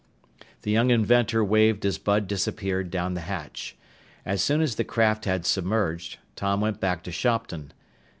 The young inventor waved as Bud disappeared down the hatch. As soon as the craft had submerged, Tom went back to Shopton.